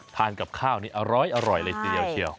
ทานกับข้าวนี้อร้อยเลยเฉียว